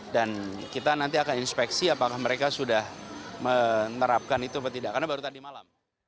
dan kita nanti akan inspeksi apakah mereka sudah menerapkan itu atau tidak